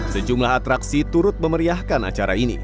sejumlah atraksi turut memeriahkan acara ini